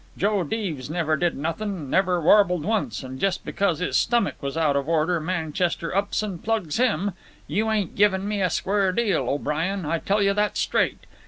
Joe Deeves never did nothin', never warbled once, an' jes' because his stomach was out of order, Manchester ups an' plugs him. You ain't givin' me a square deal, O'Brien, I tell you that straight.